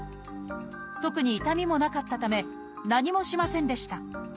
特に痛みもなかったため何もしませんでした。